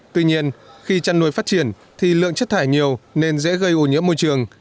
tuy nhiên khi chăn nuôi phát triển thì lượng chất thải nhiều nên dễ gây ô nhớ môi trường